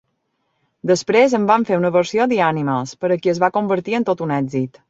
Després en van fer una versió The Animals, per a qui es va convertir en tot un èxit.